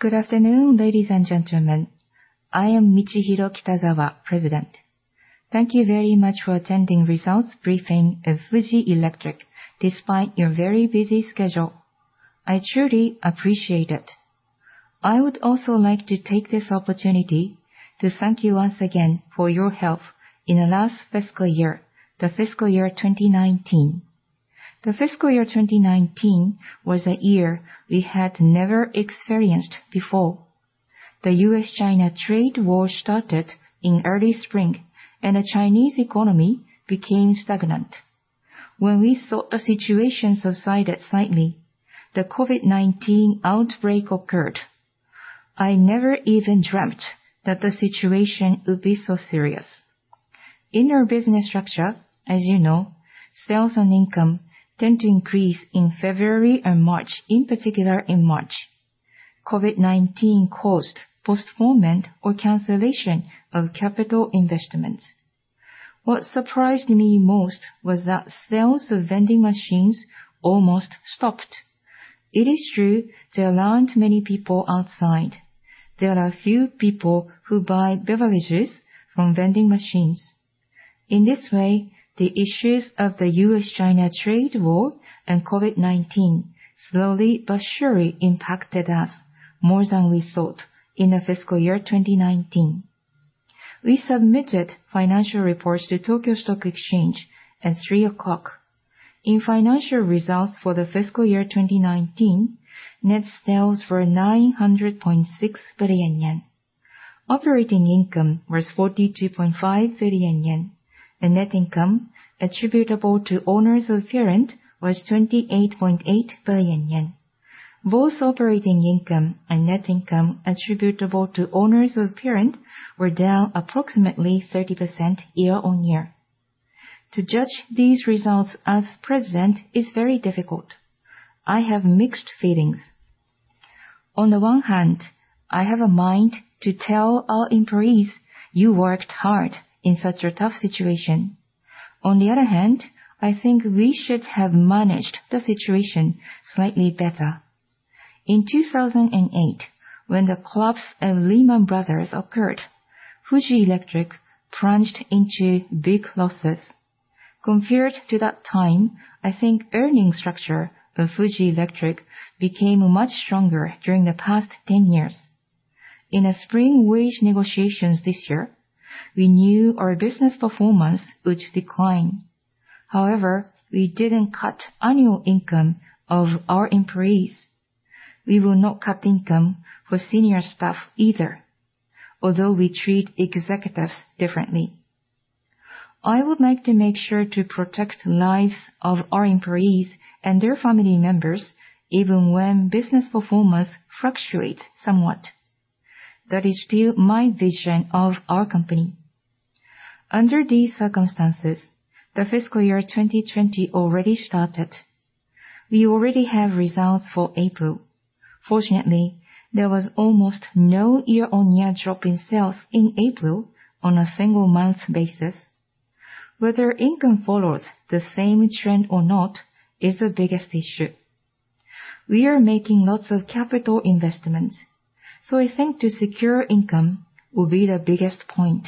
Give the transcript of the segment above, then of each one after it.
Good afternoon, ladies and gentlemen. I am Michihiro Kitazawa, President. Thank you very much for attending results briefing of Fuji Electric despite your very busy schedule. I truly appreciate it. I would also like to take this opportunity to thank you once again for your help in the last fiscal year, the fiscal year 2019. The fiscal year 2019 was a year we had never experienced before. The U.S.-China trade war started in early spring, and the Chinese economy became stagnant. When we thought the situation subsided slightly, the COVID-19 outbreak occurred. I never even dreamt that the situation would be so serious. In our business structure, as you know, sales and income tend to increase in February and March, in particular in March. COVID-19 caused postponement or cancellation of capital investments. What surprised me most was that sales of vending machines almost stopped. It is true there aren't many people outside. There are few people who buy beverages from vending machines. In this way, the issues of the U.S.-China trade war and COVID-19 slowly but surely impacted us more than we thought in the fiscal year 2019. We submitted financial reports to Tokyo Stock Exchange at 3:00. In financial results for the fiscal year 2019, net sales were 900.6 billion yen. Operating income was 42.5 billion yen, and net income attributable to owners of parent was 28.8 billion yen. Both operating income and net income attributable to owners of parent were down approximately 30% year-on-year. To judge these results as president is very difficult. I have mixed feelings. On the one hand, I have a mind to tell our employees, "You worked hard in such a tough situation." On the other hand, I think we should have managed the situation slightly better. In 2008, when the collapse of Lehman Brothers occurred, Fuji Electric plunged into big losses. Compared to that time, I think earnings structure of Fuji Electric became much stronger during the past 10 years. In the spring wage negotiations this year, we knew our business performance would decline. However, we didn't cut annual income of our employees. We will not cut income for senior staff either, although we treat executives differently. I would like to make sure to protect lives of our employees and their family members, even when business performance fluctuates somewhat. That is still my vision of our company. Under these circumstances, the fiscal year 2020 already started. We already have results for April. Fortunately, there was almost no year-on-year drop in sales in April on a single month basis. Whether income follows the same trend or not is the biggest issue. We are making lots of capital investments, so I think to secure income will be the biggest point.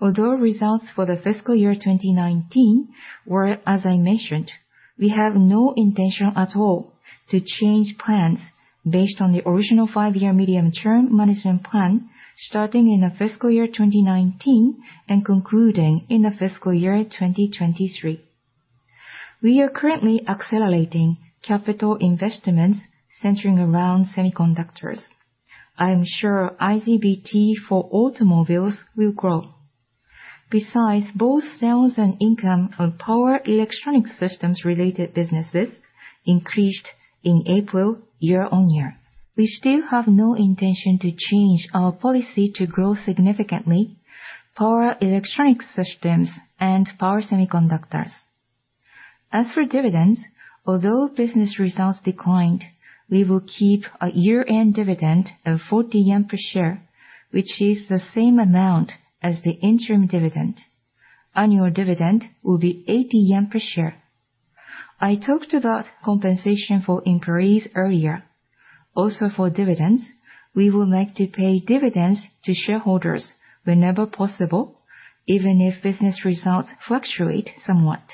Although results for the fiscal year 2019 were as I mentioned, we have no intention at all to change plans based on the original Five-Year Medium-Term Management Plan starting in the fiscal year 2019 and concluding in the fiscal year 2023. We are currently accelerating capital investments centering around semiconductors. I am sure IGBT for automobiles will grow. Besides, both sales and income of power electronic systems related businesses increased in April year-on-year. We still have no intention to change our policy to grow significantly power electronic systems and power semiconductors. As for dividends, although business results declined, we will keep a year-end dividend of 40 yen per share, which is the same amount as the interim dividend. Annual dividend will be 80 yen per share. I talked about compensation for employees earlier. Also, for dividends, we would like to pay dividends to shareholders whenever possible, even if business results fluctuate somewhat.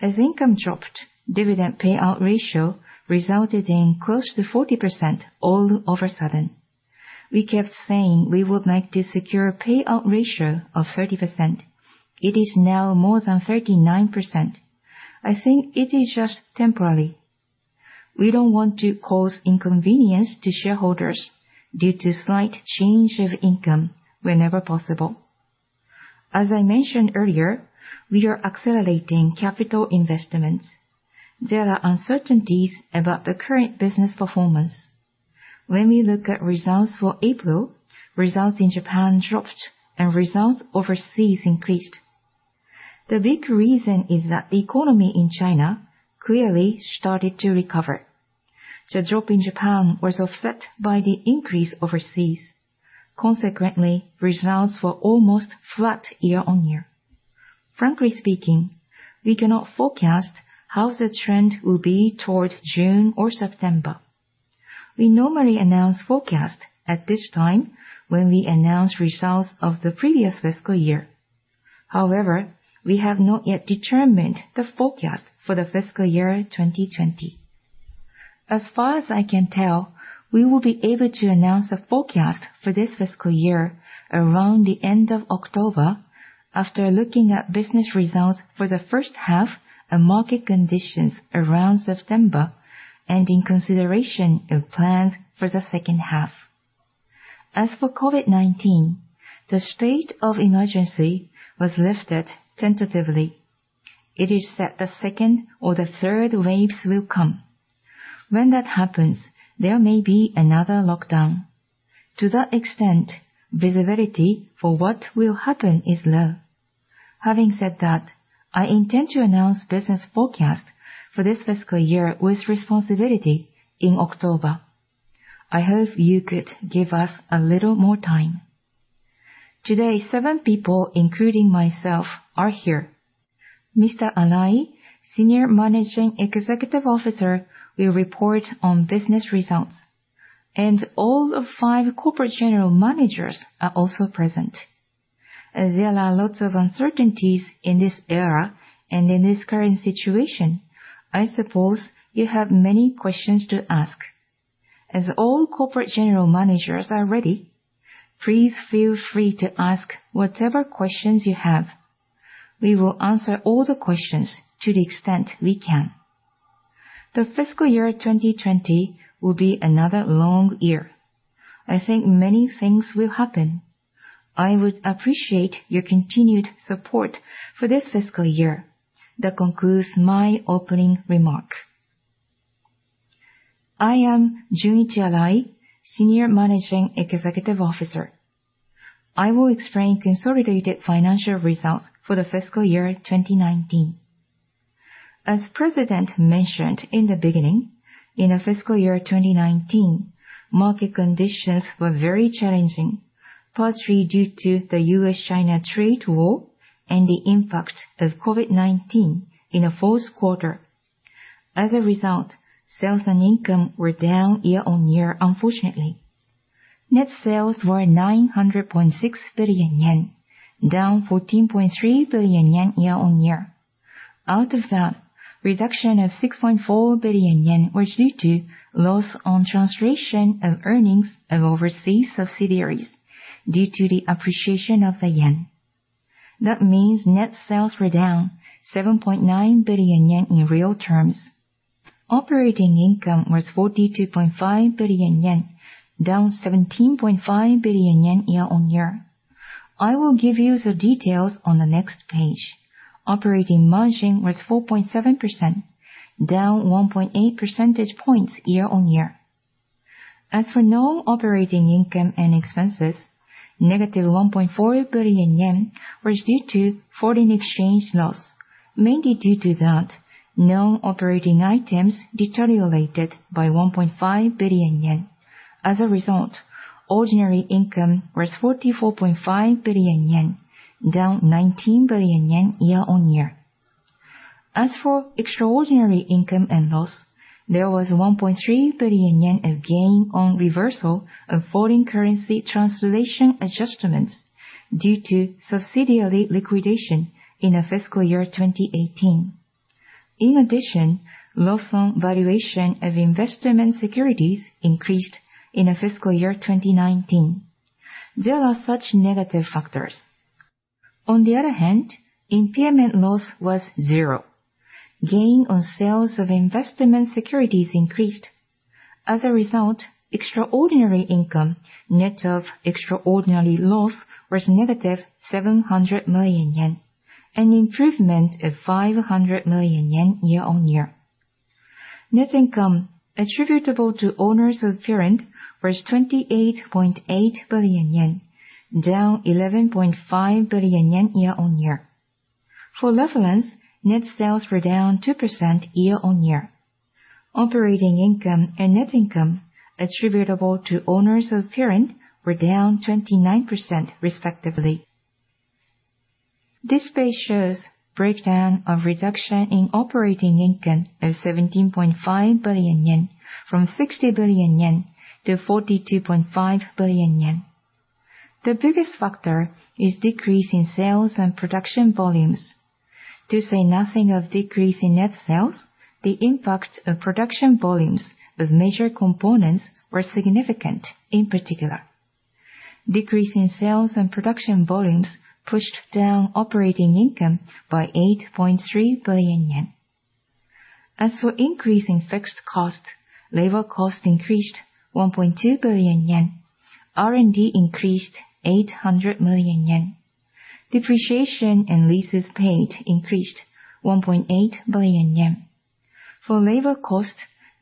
As income dropped, dividend payout ratio resulted in close to 40% all of a sudden. We kept saying we would like to secure a payout ratio of 30%. It is now more than 39%. I think it is just temporary. We don't want to cause inconvenience to shareholders due to slight change of income whenever possible. As I mentioned earlier, we are accelerating capital investments. There are uncertainties about the current business performance. When we look at results for April, results in Japan dropped, and results overseas increased. The big reason is that the economy in China clearly started to recover. The drop in Japan was offset by the increase overseas. Consequently, results were almost flat year-on-year. Frankly speaking, we cannot forecast how the trend will be towards June or September. We normally announce forecasts at this time when we announce results of the previous fiscal year. However, we have not yet determined the forecast for the fiscal year 2020. As far as I can tell, we will be able to announce a forecast for this fiscal year around the end of October, after looking at business results for the first half and market conditions around September, and in consideration of plans for the second half. As for COVID-19, the state of emergency was lifted tentatively. It is said the second or the third waves will come. When that happens, there may be another lockdown. To that extent, visibility for what will happen is low. Having said that, I intend to announce business forecast for this fiscal year with responsibility in October. I hope you could give us a little more time. Today, seven people, including myself, are here. Mr. Arai, Senior Managing Executive Officer, will report on business results, and all the five corporate general managers are also present. As there are lots of uncertainties in this era and in this current situation, I suppose you have many questions to ask. As all corporate general managers are ready, please feel free to ask whatever questions you have. We will answer all the questions to the extent we can. The fiscal year 2020 will be another long year. I think many things will happen. I would appreciate your continued support for this fiscal year. That concludes my opening remark. I am Junichi Arai, Senior Managing Executive Officer. I will explain consolidated financial results for the fiscal year 2019. As President mentioned in the beginning, in the fiscal year 2019, market conditions were very challenging, partly due to the U.S.-China trade war and the impact of COVID-19 in the fourth quarter. As a result, sales and income were down year-on-year unfortunately. Net sales were 900.6 billion yen, down 14.3 billion yen year-on-year. Out of that, reduction of 6.4 billion yen was due to loss on translation of earnings of overseas subsidiaries due to the appreciation of the yen. That means net sales were down 7.9 billion yen in real-terms. Operating income was 42.5 billion yen, down 17.5 billion yen year-on-year. I will give you the details on the next page. Operating margin was 4.7%, down 1.8 percentage points year-on-year. As for non-operating income and expenses, -1.4 billion yen was due to foreign exchange loss. Mainly due to that, non-operating items deteriorated by 1.5 billion yen. As a result, ordinary income was 44.5 billion yen, down 19 billion yen year-on-year. As for extraordinary income and loss, there was 1.3 billion yen of gain on reversal of foreign currency translation adjustments due to subsidiary liquidation in the fiscal year 2018. In addition, loss on valuation of investment securities increased in the fiscal year 2019. There are such negative factors. On the other hand, impairment loss was zero. Gain on sales of investment securities increased. As a result, extraordinary income net of extraordinary loss was -700 million yen, an improvement of 500 million yen year-on-year. Net income attributable to owners of parent was 28.8 billion yen, down 11.5 billion yen year-on-year. For [levelands], net sales were down 2% year-on-year. Operating income and net income attributable to owners of parent were down 29% respectively. This page shows breakdown of reduction in operating income of 17.5 billion yen from 60 billion yen to 42.5 billion yen. The biggest factor is decrease in sales and production volumes. To say nothing of decrease in net sales, the impact of production volumes of major components were significant in particular. Decrease in sales and production volumes pushed down operating income by 8.3 billion yen. As for increase in fixed cost, labor cost increased 1.2 billion yen. R&D increased 800 million yen. Depreciation and leases paid increased 1.8 billion yen. For labor cost,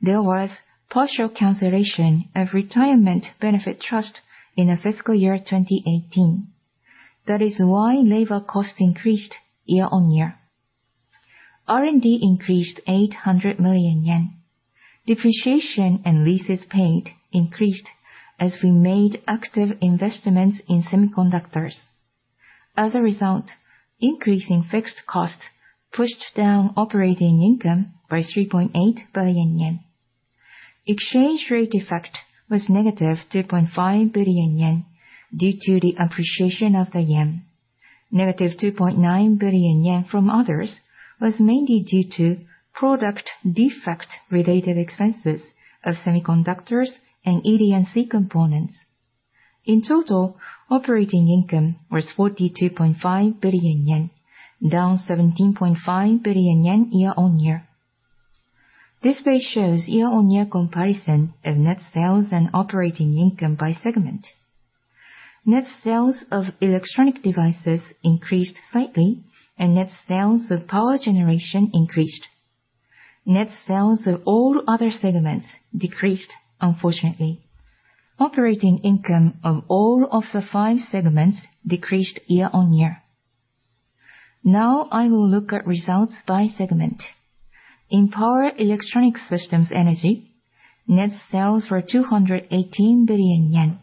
there was partial cancellation of retirement benefit trust in the fiscal year 2018. That is why labor cost increased year-on-year. R&D increased 800 million yen. Depreciation and leases paid increased as we made active investments in semiconductors. As a result, increasing fixed costs pushed down operating income by 3.8 billion yen. Exchange rate effect was -2.5 billion yen due to the appreciation of the yen. -2.9 billion yen from others was mainly due to product defect related expenses of semiconductors and ED&C components. In total, operating income was 42.5 billion yen, down 17.5 billion yen year-on-year. This page shows year-on-year comparison of net sales and operating income by segment. Net sales of electronic devices increased slightly and net sales of power generation increased. Net sales of all other segments decreased, unfortunately. Operating income of all of the five segments decreased year-on-year. Now I will look at results by segment. In Power Electronic Systems Energy, net sales were 218 billion yen,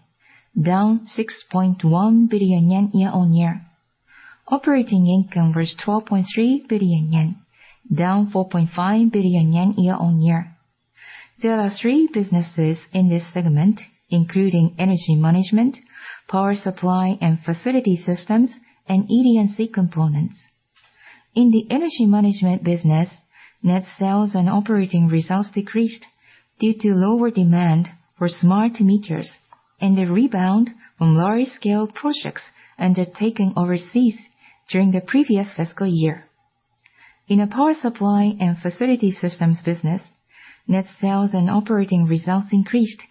down 6.1 billion yen year-on-year. Operating income was 12.3 billion yen, down 4.5 billion yen year-on-year. There are three businesses in this segment, including Energy Management, Power Supply and Facility Systems, and ED&C components. In the Energy Management business, net sales and operating results decreased due to lower demand for smart meters and a rebound from large-scale projects undertaken overseas during the previous fiscal year. In a Power Supply and Facility Systems business, net sales and operating results increased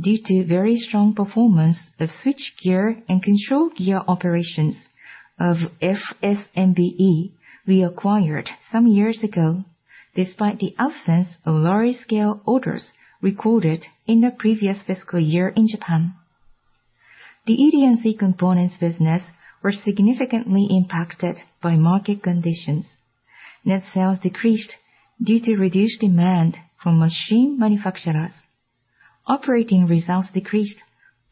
due to very strong performance of switchgear and control gear operations of F-SMBE we acquired some years ago, despite the absence of large-scale orders recorded in the previous fiscal year in Japan. The ED&C components business was significantly impacted by market conditions. Net sales decreased due to reduced demand from machine manufacturers. Operating results decreased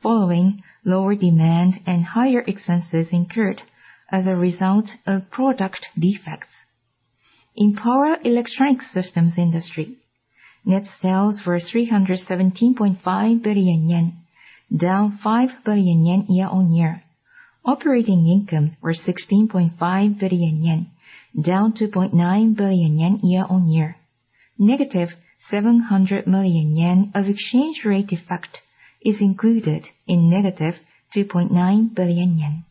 following lower demand and higher expenses incurred as a result of product defects. In power electronic systems industry, net sales were 317.5 billion yen, down 5 billion yen year-on-year. Operating income was 16.5 billion yen, down 2.9 billion yen year-on-year. -700 million yen of exchange rate effect is included in -2.9 billion yen.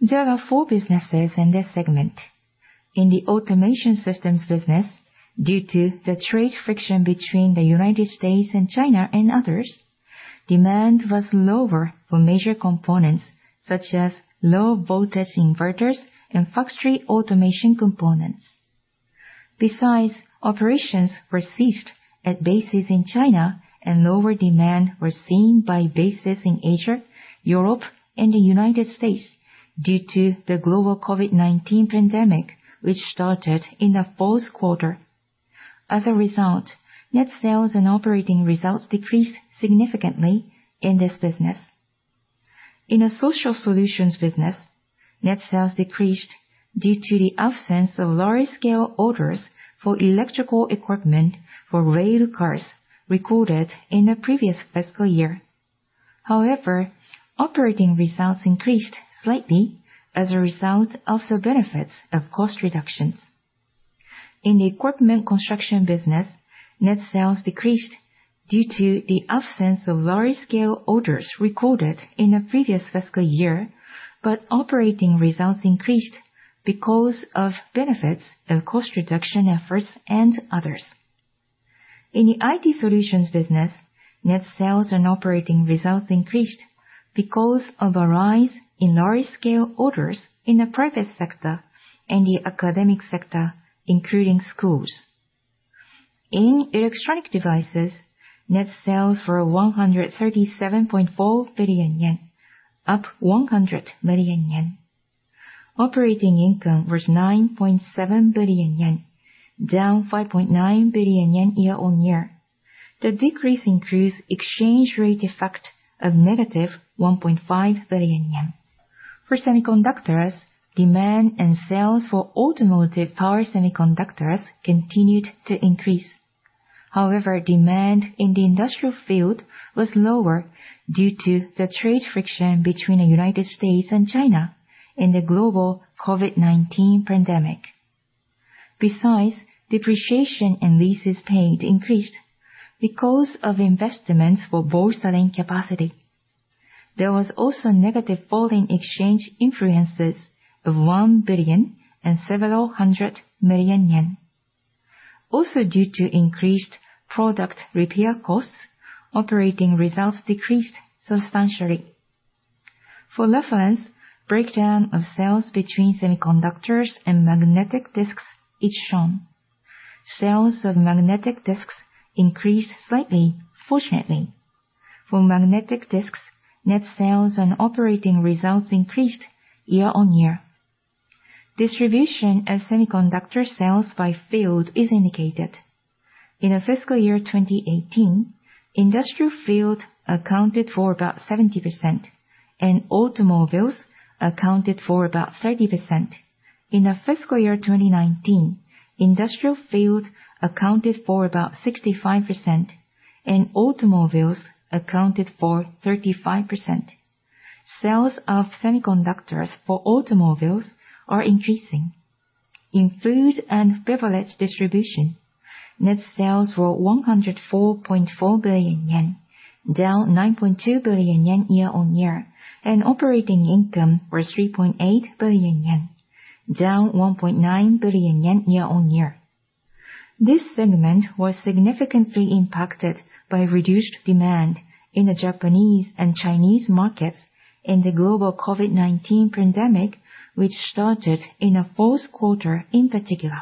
There are four businesses in this segment. In the Automation Systems business, due to the trade friction between the United States and China and others, demand was lower for major components such as low voltage inverters and factory automation components. Besides, operations were ceased at bases in China and lower demand was seen by bases in Asia, Europe and the United States due to the global COVID-19 pandemic, which started in the fourth quarter. As a result, net sales and operating results decreased significantly in this business. In a Social Solutions business, net sales decreased due to the absence of large-scale orders for electrical equipment for rail cars recorded in the previous fiscal year. Operating results increased slightly as a result of the benefits of cost reductions. In the Equipment Construction business, net sales decreased due to the absence of large-scale orders recorded in the previous fiscal year. Operating results increased because of benefits of cost reduction efforts and others. In the IT Solutions business, net sales and operating results increased because of a rise in large-scale orders in the private sector and the academic sector, including schools. In electronic devices, net sales were 137.4 billion yen, up 100 million yen. Operating income was 9.7 billion yen, down 5.9 billion yen year-on-year. The decrease includes exchange rate effect of -1.5 billion yen. For semiconductors, demand and sales for automotive power semiconductors continued to increase. Demand in the industrial field was lower due to the trade friction between the United States and China and the global COVID-19 pandemic. Depreciation and leases paid increased because of investments for bolstering capacity. There was also negative foreign exchange influences of 1 billion and several hundred million yen. Due to increased product repair costs, operating results decreased substantially. For reference, breakdown of sales between semiconductors and magnetic disks is shown. Sales of magnetic disks increased slightly, fortunately. For magnetic disks, net sales and operating results increased year-on-year. Distribution of semiconductor sales by field is indicated. In the fiscal year 2018, industrial field accounted for about 70% and automobiles accounted for about 30%. In the fiscal year 2019, industrial field accounted for about 65% and automobiles accounted for 35%. Sales of semiconductors for automobiles are increasing. In food and beverage distribution, net sales were 104.4 billion yen, down 9.2 billion yen year-on-year, and operating income was 3.8 billion yen, down 1.9 billion yen year-on-year. This segment was significantly impacted by reduced demand in the Japanese and Chinese markets and the global COVID-19 pandemic, which started in the fourth quarter in particular.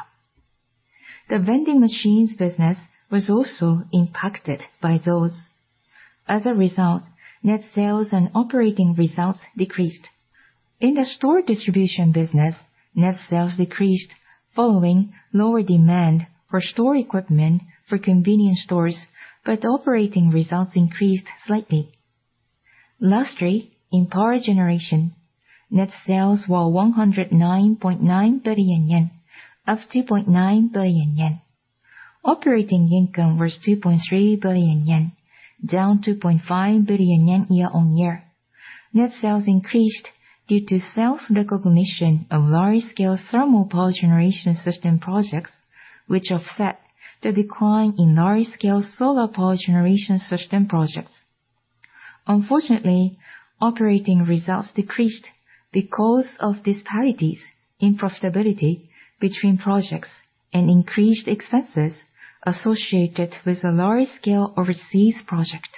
The Vending Machines business was also impacted by those. As a result, net sales and operating results decreased. In the Store Distribution business, net sales decreased following lower demand for store equipment for convenience stores, but operating results increased slightly. Lastly, in Power Generation, net sales were 109.9 billion yen, up 2.9 billion yen. Operating income was 2.3 billion yen, down 2.5 billion yen year-on-year. Net sales increased due to sales recognition of large-scale thermal power generation system projects, which offset the decline in large-scale solar power generation system projects. Unfortunately, operating results decreased because of disparities in profitability between projects and increased expenses associated with a large-scale overseas project.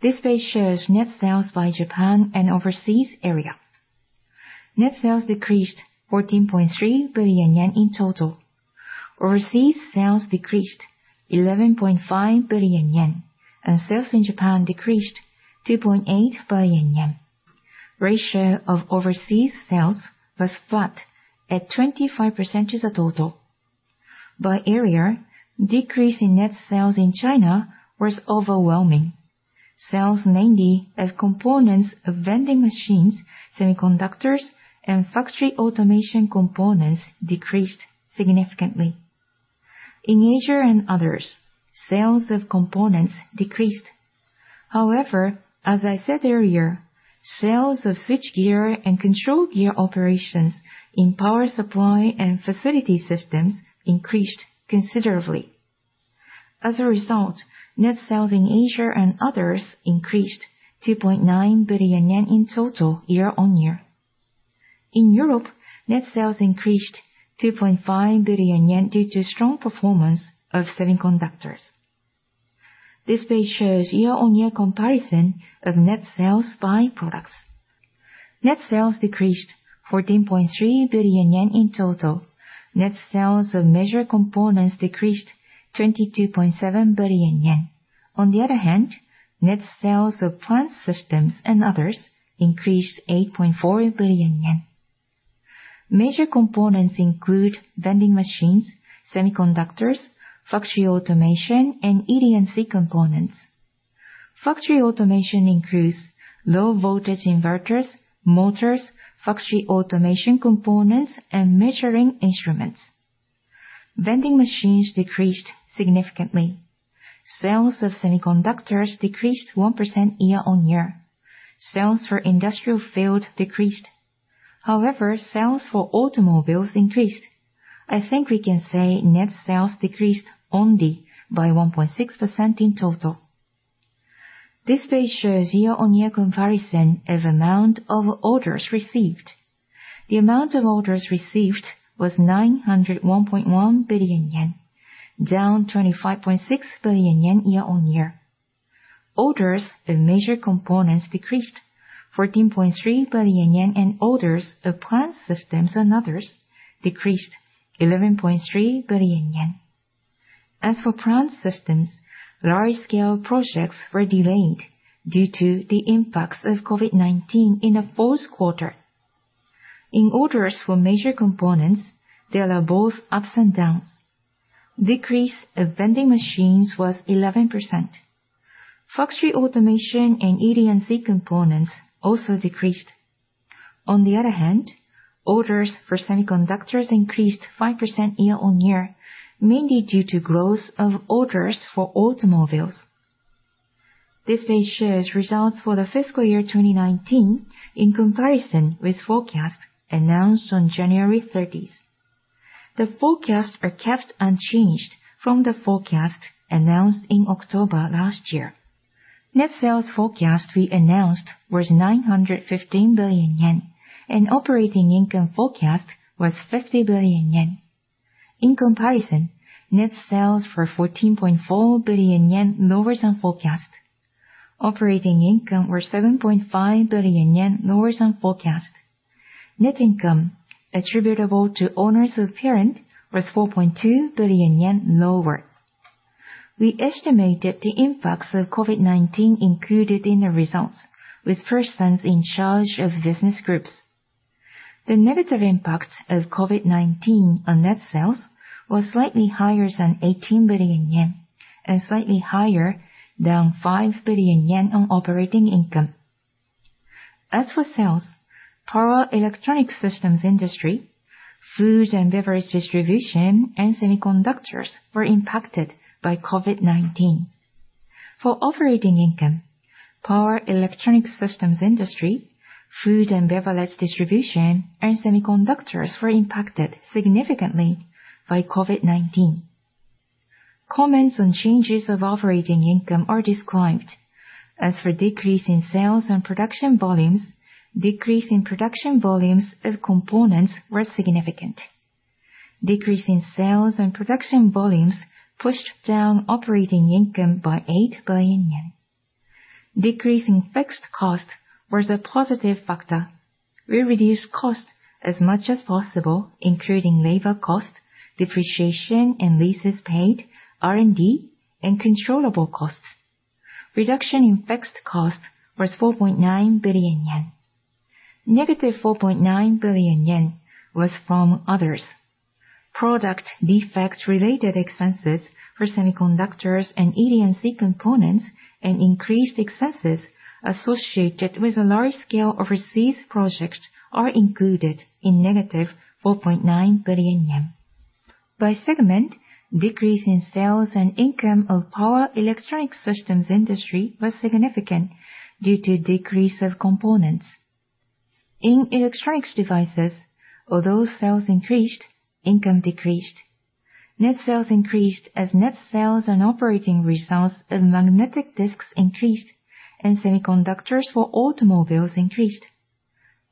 This page shows net sales by Japan and overseas area. Net sales decreased 14.3 billion yen in total. Overseas sales decreased 11.5 billion yen, and sales in Japan decreased 2.8 billion yen. Ratio of overseas sales was flat at 25% as a total. By area, decrease in net sales in China was overwhelming. Sales mainly of components of vending machines, semiconductors, and factory automation components decreased significantly. In Asia and others, sales of components decreased. As I said earlier, sales of switchgear and control gear operations in power supply and facility systems increased considerably. Net sales in Asia and others increased 2.9 billion yen in total year-on-year. In Europe, net sales increased 2.5 billion yen due to strong performance of semiconductors. This page shows year-on-year comparison of net sales by products. Net sales decreased 14.3 billion yen in total. Net sales of major components decreased 22.7 billion yen. On the other hand, net sales of plant systems and others increased 8.4 billion yen. Major components include vending machines, semiconductors, factory automation, and ED&C components. Factory automation includes low voltage inverters, motors, factory automation components, and measuring instruments. Vending machines decreased significantly. Sales of semiconductors decreased 1% year-on-year. Sales for industrial field decreased. Sales for automobiles increased. I think we can say net sales decreased only by 1.6% in total. This page shows year-on-year comparison of amount of orders received. The amount of orders received was 901.1 billion yen, down 25.6 billion yen year-on-year. Orders of major components decreased 14.3 billion yen, and orders of plant systems and others decreased 11.3 billion yen. As for plant systems, large-scale projects were delayed due to the impacts of COVID-19 in the fourth quarter. In orders for major components, there are both ups and downs. Decrease of vending machines was 11%. Factory automation and ED&C components also decreased. On the other hand, orders for semiconductors increased 5% year-on-year, mainly due to growth of orders for automobiles. This page shows results for the fiscal year 2019 in comparison with forecasts announced on January 30th. The forecasts are kept unchanged from the forecast announced in October last year. Net sales forecast we announced was 915 billion yen and operating income forecast was 50 billion yen. In comparison, net sales were 14.4 billion yen lower than forecast. Operating income was 7.5 billion yen lower than forecast. Net income attributable to owners of parent was 4.2 billion yen lower. We estimated the impacts of COVID-19 included in the results with persons in charge of business groups. The negative impacts of COVID-19 on net sales was slightly higher than 18 billion yen and slightly higher than 5 billion yen on operating income. As for sales, power electronic systems industry, food and beverage distribution, and semiconductors were impacted by COVID-19. For operating income, power electronic systems industry, food and beverage distribution, and semiconductors were impacted significantly by COVID-19. Comments on changes of operating income are described. As for decrease in sales and production volumes, decrease in production volumes of components were significant. Decrease in sales and production volumes pushed down operating income by 8 billion yen. Decrease in fixed costs was a positive factor. We reduced costs as much as possible, including labor cost, depreciation and leases paid, R&D, and controllable costs. Reduction in fixed costs was 4.9 billion yen. -4.9 billion yen was from others. Product defect-related expenses for semiconductors and ED&C components and increased expenses associated with a large-scale overseas project are included in-JPY 4.9 billion. By segment, decrease in sales and income of power electronic systems industry was significant due to decrease of components. In electronics devices, although sales increased, income decreased. Net sales increased as net sales and operating results of magnetic disks increased and semiconductors for automobiles increased.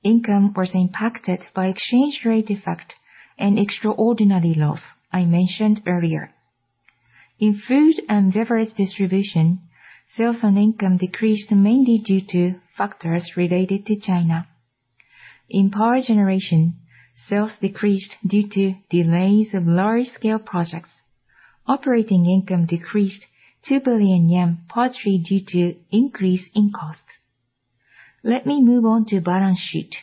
Income was impacted by exchange rate effect and extraordinary loss I mentioned earlier. In food and beverage distribution, sales and income decreased mainly due to factors related to China. In power generation, sales decreased due to delays of large-scale projects. Operating income decreased 2 billion yen, partially due to increase in costs. Let me move on to balance sheet.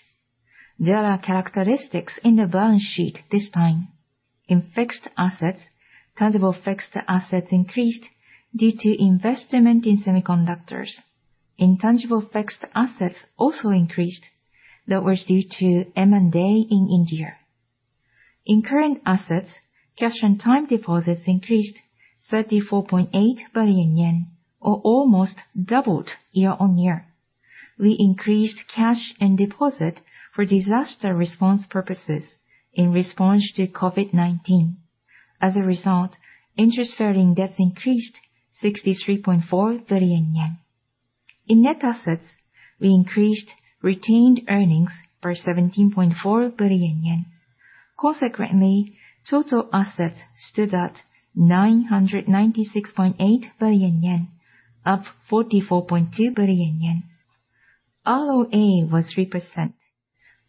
There are characteristics in the balance sheet this time. In fixed assets, tangible fixed assets increased due to investment in semiconductors. Intangible fixed assets also increased. That was due to M&A in India. In current assets, cash and time deposits increased 34.8 billion yen or almost doubled year-on-year. We increased cash and deposit for disaster response purposes in response to COVID-19. As a result, interest-bearing debts increased 63.4 billion yen. In net assets, we increased retained earnings by 17.4 billion yen. Consequently, total assets stood at 996.8 billion yen, up 44.2 billion yen. ROA was 3%.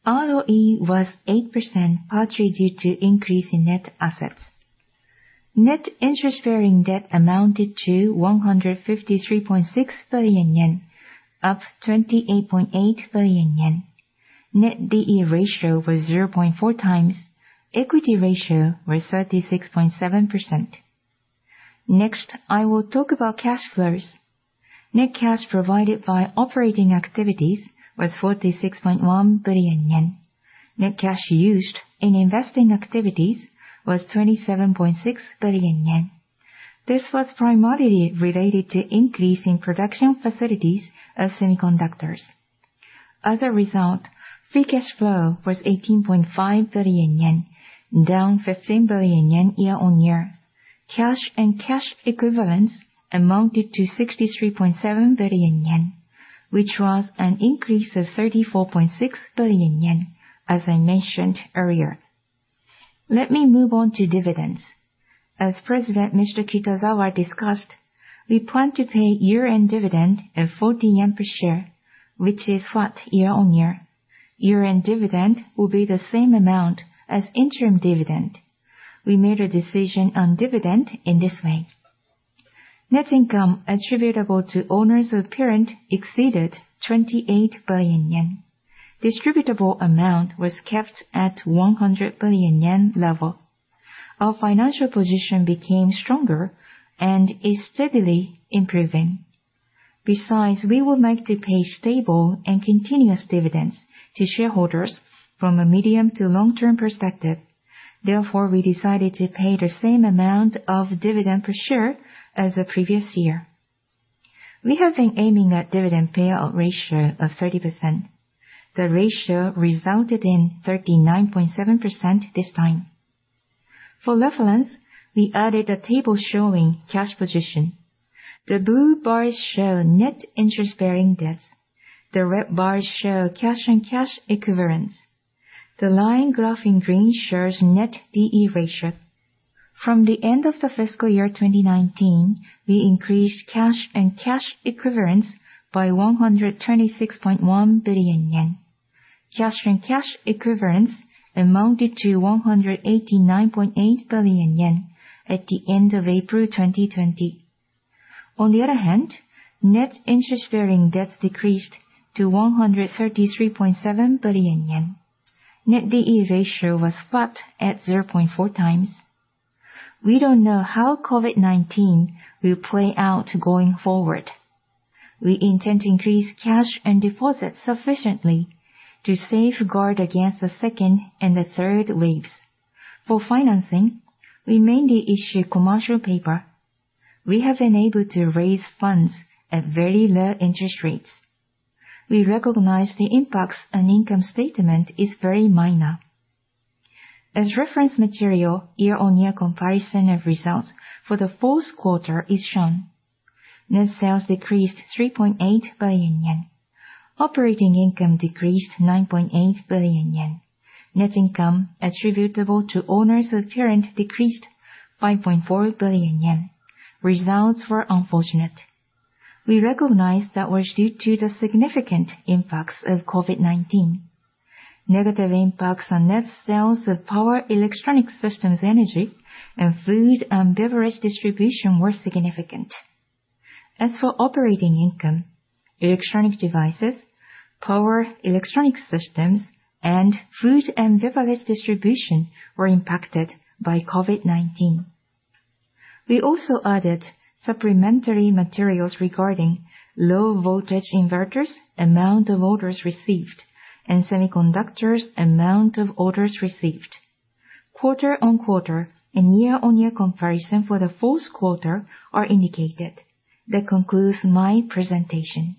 ROE was 8% partially due to increase in net assets. Net interest-bearing debt amounted to 153.6 billion yen, up 28.8 billion yen. Net DE ratio was 0.4x. Equity ratio was 36.7%. Next, I will talk about cash flows. Net cash provided by operating activities was 46.1 billion yen. Net cash used in investing activities was 27.6 billion yen. This was primarily related to increase in production facilities of semiconductors. Free cash flow was 18.5 billion yen, down 15 billion yen year-on-year. Cash and cash equivalents amounted to 63.7 billion yen, which was an increase of 34.6 billion yen, as I mentioned earlier. Let me move on to dividends. As President Mr. Kitazawa discussed, we plan to pay year-end dividend of 40 yen per share, which is flat year-on-year. Year-end dividend will be the same amount as interim dividend. We made a decision on dividend in this way. Net income attributable to owners of parent exceeded 28 billion yen. Distributable amount was kept at 100 billion yen level. Our financial position became stronger and is steadily improving. We would like to pay stable and continuous dividends to shareholders from a medium-to long-term perspective. We decided to pay the same amount of dividend per share as the previous year. We have been aiming at dividend payout ratio of 30%. The ratio resulted in 39.7% this time. For reference, we added a table showing cash position. The blue bars show net interest-bearing debt. The red bars show cash and cash equivalents. The line graph in green shows net DE ratio. From the end of the fiscal year 2019, we increased cash and cash equivalents by 126.1 billion yen. Cash and cash equivalents amounted to 189.8 billion yen at the end of April 2020. On the other hand, net interest-bearing debts decreased to 133.7 billion yen. Net DE ratio was flat at 0.4x. We don't know how COVID-19 will play out going forward. We intend to increase cash and deposits sufficiently to safeguard against the second and the third waves. For financing, we mainly issue commercial paper. We have been able to raise funds at very low interest rates. We recognize the impacts on income statement is very minor. As reference material, year-on-year comparison of results for the fourth quarter is shown. Net sales decreased 3.8 billion yen. Operating income decreased 9.8 billion yen. Net income attributable to owners of parent decreased 5.4 billion yen. Results were unfortunate. We recognize that was due to the significant impacts of COVID-19. Negative impacts on net sales of power electronic systems energy and food and beverage distribution were significant. As for operating income, electronic devices, power electronic systems, and food and beverage distribution were impacted by COVID-19. We also added supplementary materials regarding low voltage inverters, amount of orders received, and semiconductors amount of orders received. Quarter-on-quarter and year-on-year comparison for the fourth quarter are indicated. That concludes my presentation.